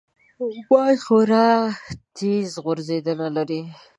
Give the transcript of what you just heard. باز خورا تېز غورځېدنه لري